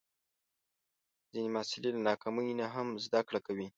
ځینې محصلین له ناکامۍ نه هم زده کړه کوي.